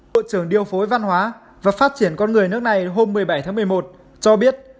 bộ trưởng điều phối văn hóa và phát triển con người nước này hôm một mươi bảy tháng một mươi một cho biết